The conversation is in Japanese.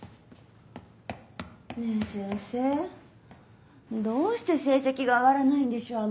ねぇ先生どうして成績が上がらないんでしょう